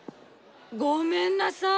ごめんなさい！